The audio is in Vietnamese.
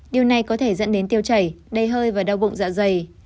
điều này có thể dẫn đến tiêu chảy đầy hơi và đau bụng dạ dày